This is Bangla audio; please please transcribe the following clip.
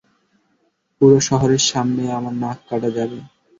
পুরো শহরের সামনে আমার নাক কাটা যাবে।